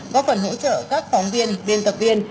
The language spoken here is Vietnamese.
góp phần hỗ trợ các phóng viên biên tập viên